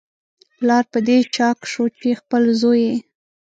پلار په دې شاک شو چې خپل زوی یې